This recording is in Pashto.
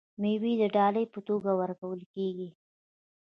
میوې د ډالۍ په توګه وړل کیږي.